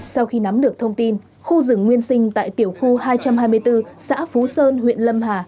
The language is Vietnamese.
sau khi nắm được thông tin khu rừng nguyên sinh tại tiểu khu hai trăm hai mươi bốn xã phú sơn huyện lâm hà